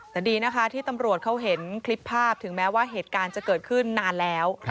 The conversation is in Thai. แต่ดีนะคะที่ตำรวจเขาเห็นคลิปภาพถึงแม้ว่าเหตุการณ์จะเกิดขึ้นนานแล้ว